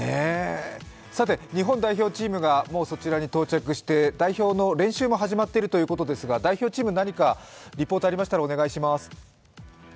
さて日本代表チームがもうそちらに到着して代表の練習も始まっているということですが、代表チーム、何かリポートありましたら、お願いします。